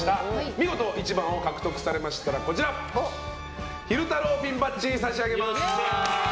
見事１番を獲得されましたら昼太郎ピンバッジ差し上げます。